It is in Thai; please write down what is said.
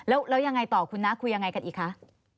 แล้วยังไงต่อคุณน้าคุยยังไงกันอีกคะ